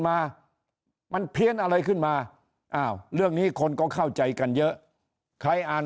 มามันเพี้ยนอะไรขึ้นมาอ้าวเรื่องนี้คนก็เข้าใจกันเยอะใครอ่าน